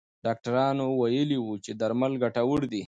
ډاکټران ویلي وو چې درمل ګټور دي.